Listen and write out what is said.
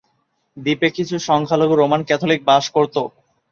দ্বীপে কিছু সংখ্যালঘু রোমান ক্যাথলিক বাস করতো।